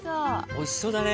おいしそうだね。